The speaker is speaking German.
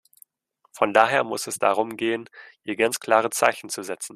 Von daher muss es darum gehen, hier ganz klare Zeichen zu setzen.